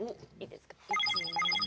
１２。